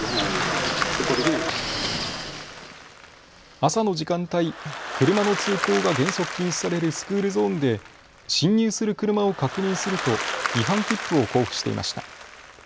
朝の時間帯、車の通行が原則禁止されるスクールゾーンで進入する車を確認すると違反切符を交付していました。